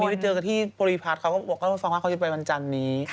วันนี้เจอกันที่โปรีพราชมาบอกว่าเขาจะไปวันจันนี้